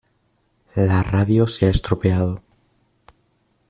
La radio se ha estropeado.